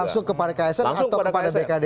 langsung kepada ksn atau kepada bkd